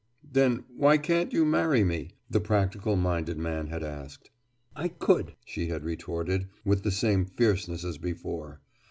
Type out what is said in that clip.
"Then why can't you marry me?" the practical minded man had asked. "I could!" she had retorted, with the same fierceness as before.